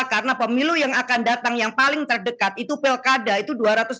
karena pemilu yang akan datang yang paling terdekat itu pelkada itu dua ratus tujuh puluh satu